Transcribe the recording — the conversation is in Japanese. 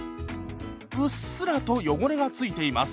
うっすらと汚れが付いています。